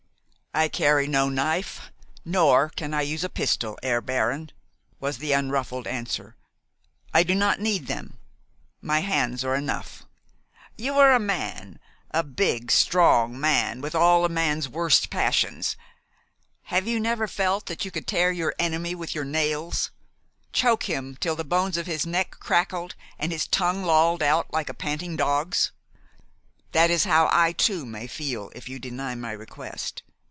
"I carry no knife, nor can I use a pistol, Herr Baron," was the unruffled answer. "I do not need them. My hands are enough. You are a man, a big, strong man, with all a man's worst passions. Have you never felt that you could tear your enemy with your nails, choke him till the bones of his neck crackled, and his tongue lolled out like a panting dog's? That is how I too may feel if you deny my request.